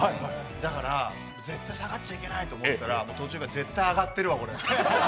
だから絶対下がっちゃいけないと思ってたら、途中から絶対上がってるわ、これって。